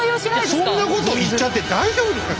そんなこと言っちゃって大丈夫ですか？